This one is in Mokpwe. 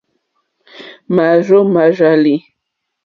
Màrzô màrzàlì.